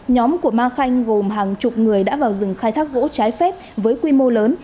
nhóm của ma khanh gồm hàng chục người đã vào rừng khai thác gỗ trái phép với quy mô lớn